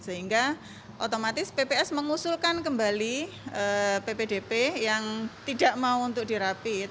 sehingga otomatis pps mengusulkan kembali ppdp yang tidak mau untuk dirapit